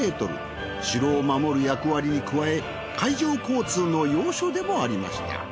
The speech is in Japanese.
城を守る役割に加え海上交通の要所でもありました。